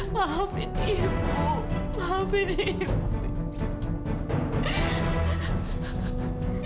maafkan ibu maafkan ibu